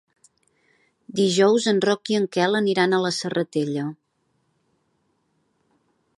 Dijous en Roc i en Quel aniran a la Serratella.